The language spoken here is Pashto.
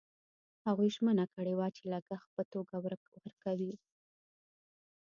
هغوی ژمنه کړې وه چې لګښت په توګه ورکوي.